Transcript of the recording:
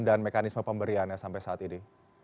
dan mekanisme pemberiannya sampai saat ini